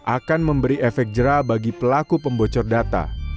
akan memberi efek jerah bagi pelaku pembocor data